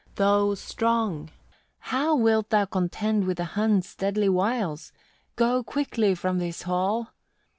though strong, how wilt thou contend with the Huns' deadly wiles? Go quickly from this hall!